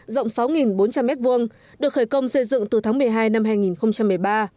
rộng sáu bốn trăm linh m hai được khởi công xây dựng từ tháng một mươi hai năm hai nghìn một mươi ba